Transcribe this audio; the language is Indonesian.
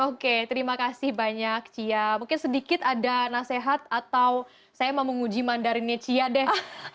oke terima kasih banyak cia mungkin sedikit ada nasihat atau saya mau menguji mandarinnya cia deh